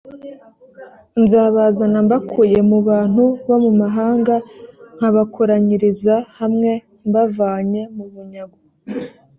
nzabazana mbakuye mu bantu bo mu mahanga nkabakoranyiriza hamwe mbavanye mu bunyago